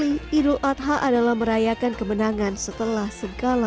bagi ali idul adha adalah merayakan kemenangan setelah segala hal